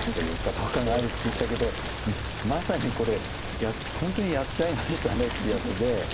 ポカがあるって言ったけどまさにこれ「本当にやっちゃいましたね」っていうやつで。